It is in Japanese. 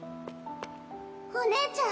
お姉ちゃん？